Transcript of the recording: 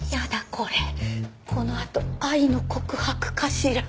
これこのあと愛の告白かしら？